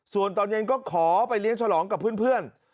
ส่วนตอนเย็นก็ขอไปเลี้ยงฉลองกับเพื่อน